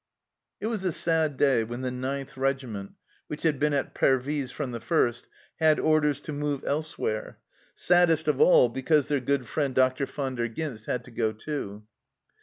It was a sad day when the 9th Regiment, which had been at Pervyse from the first, had orders to move elsewhere, saddest of all because their good friend Dr. Van der Ghinst had to go too.